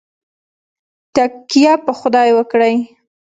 تککیه په خدای وکړئ